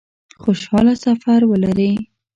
خوشحاله سفر ولري